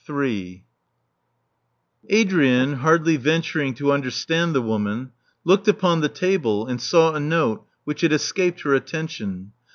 Adrian, hardly venturing to understand the woman, looked upon the table, and saw a note which had escaped her attention.